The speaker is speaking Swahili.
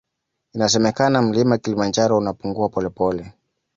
Inasemekana mlima kilimanjaro unapungua polepole